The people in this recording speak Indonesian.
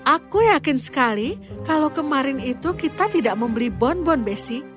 aku yakin sekali kalau kemarin itu kita tidak membeli bonbon besi